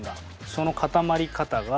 その固まり方が。